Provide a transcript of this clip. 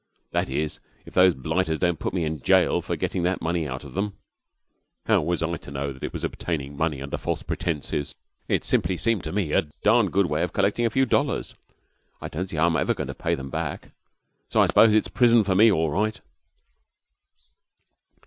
That is, if those blighters don't put me in jail for getting that money out of them. How was I to know that it was obtaining money under false pretences? It simply seemed to me a darned good way of collecting a few dollars. I don't see how I'm ever going to pay them back, so I suppose it's prison for me all right.'